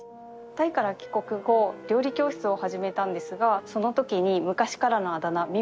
タイから帰国後料理教室を始めたんですがそのときに昔からのあだ名み